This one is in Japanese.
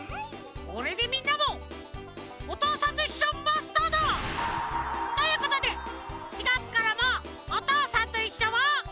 これでみんなも「おとうさんといっしょ」マスターだ！ということで４がつからも「おとうさんといっしょ」を。